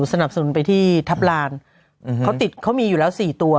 สนับสนุนไปที่ทัพลานเขาติดเขามีอยู่แล้วสี่ตัว